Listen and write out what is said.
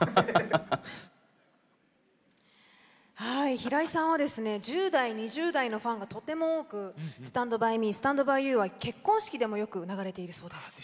平井さんは１０代２０代のファンがとても多く「Ｓｔａｎｄｂｙｍｅ，Ｓｔａｎｄｂｙｙｏｕ．」は結婚式でもよく流れているそうです。